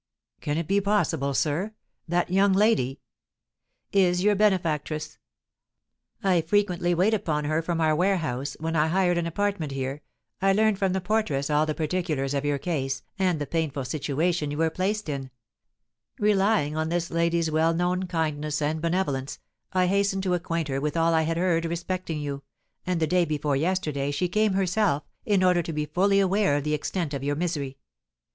"Can it be possible, sir? That young lady " "Is your benefactress. I frequently wait upon her from our warehouse; when I hired an apartment here, I learned from the porteress all the particulars of your case, and the painful situation you were placed in; relying on this lady's well known kindness and benevolence, I hastened to acquaint her with all I had heard respecting you; and, the day before yesterday, she came herself, in order to be fully aware of the extent of your misery.